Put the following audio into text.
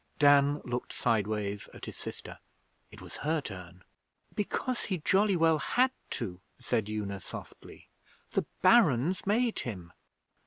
Dan looked sideways at his sister. It was her turn. 'Because he jolly well had to,' said Una softly. 'The Barons made him.'